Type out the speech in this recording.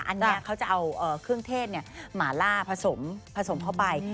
อันนี้เอาเครื่องเทศหมาล่าผสมเข้าไป